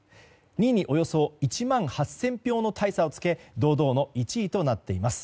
２位におよそ１万８０００票の大差をつけ堂々の１位となっています。